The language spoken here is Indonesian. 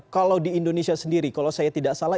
kalau di indonesia sendiri kalau saya tidak salah